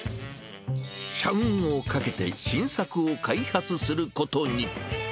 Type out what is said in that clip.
社運をかけて新作を開発することに。